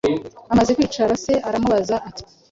Amaze kwicara, se aramubaza, ati: “